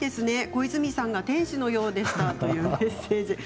小泉さんが天使のようでしたというメッセージ。